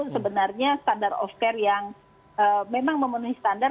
sebenarnya standar of care yang memang memenuhi standar